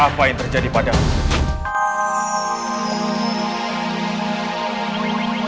apa yang terjadi padamu